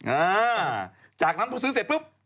อ่าจากนั้นพอซื้อเสร็จปุ๊บ